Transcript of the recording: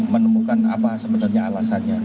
menemukan apa sebenarnya alasannya